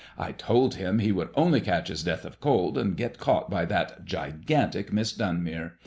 I told him he would only catch his death of cold, and get caught by that gigantic Miss Dunmere.